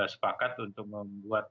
sepakat untuk membuat